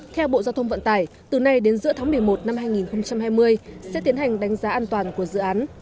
theo bộ giao thông vận tải từ nay đến giữa tháng một mươi một năm hai nghìn hai mươi sẽ tiến hành đánh giá an toàn của dự án